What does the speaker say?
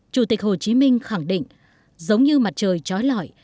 chủ tịch hồ chí minh khẳng định giống như mặt trời trói lõi